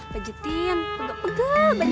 pijetin pegel pegel banyak aja